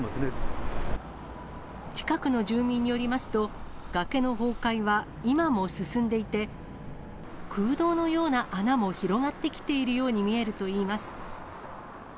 近くの住民によりますと、崖の崩壊は今も進んでいて、空洞のような穴も広がってきているように見えるといいます。